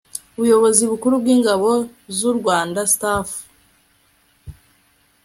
Buyobozi Bukuru bw Ingabo z u Rwanda Staff